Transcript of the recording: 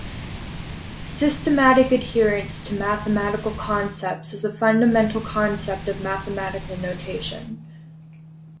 Systematic adherence to mathematical concepts is a fundamental concept of mathematical notation.